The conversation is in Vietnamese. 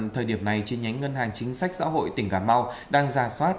thời điểm này trên nhánh ngân hàng chính sách xã hội tỉnh cà mau đang ra soát